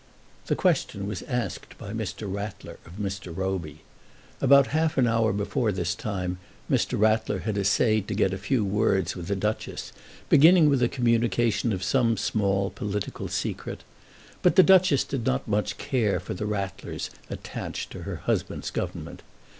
The question was asked by Mr. Rattler of Mr. Roby. About half an hour before this time Mr. Rattler had essayed to get a few words with the Duchess, beginning with the communication of some small political secret. But the Duchess did not care much for the Rattlers attached to her husband's Government.